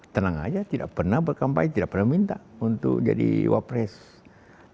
tenang aja tidak pernah berkampai tidak pernah minta untuk jadi wakil presiden